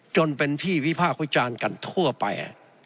จนเป็นที่วิพากษ์วิจารณ์กันทั่วไป